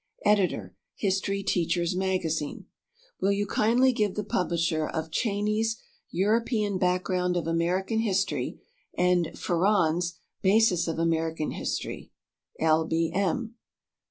Editor HISTORY TEACHER'S MAGAZINE. "Will you kindly give the publisher of Cheyney's 'European Background of American History' and Farrand's 'Basis of American History?'" L. B. M.